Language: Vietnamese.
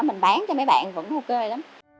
mình bán cho mấy bạn vẫn ok lắm